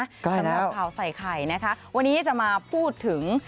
สำหรับข่าวใส่ไข่นะคะวันนี้จะมาพูดถึง